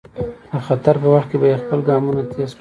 د خطر په وخت کې به یې خپل ګامونه تېز کړل.